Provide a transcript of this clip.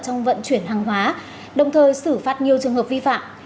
trong vận chuyển hàng hóa đồng thời xử phạt nhiều trường hợp vi phạm